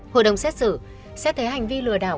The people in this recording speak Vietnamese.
hội đồng xét xử xét thấy hành vi lừa đảo